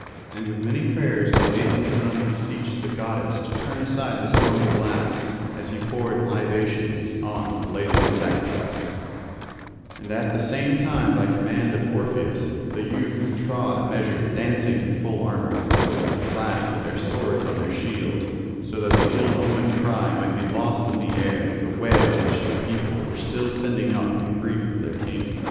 And with many prayers did Aeson's son beseech the goddess to turn aside the stormy blasts as he poured libations on the blazing sacrifice; and at the same time by command of Orpheus the youths trod a measure dancing in full armour, and clashed with their swords on their shields, so that the ill omened cry might be lost in the air the wail which the people were still sending up in grief for their king.